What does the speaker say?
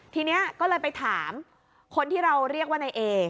ทีนี้ก็เลยไปถามคนที่เราเรียกว่านายเอ